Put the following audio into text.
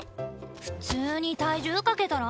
普通に体重かけたら？